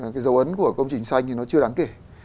cái dấu ấn của công trình xanh thì nó chưa đáng kể